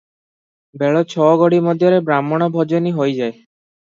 ବେଳ ଛଅଘଡ଼ି ମଧ୍ୟରେ ବାହ୍ମଣ ଭୋଜନି ହୋଇଯାଏ ।